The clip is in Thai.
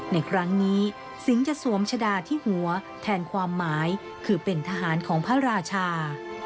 ในครั้งนี้สิงห์จะสวมชะดาที่หัวแทนความหมายคือเป็นทหารของพระราชา